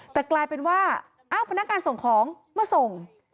แต่กลายเป็นว่าอ้าวพนักงานส่งของมาส่ง